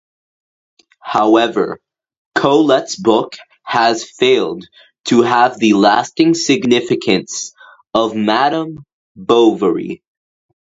However, Colet's book has failed to have the lasting significance of "Madame Bovary".